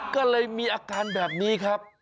ก็เลยมีอาการแบบนี้ครับ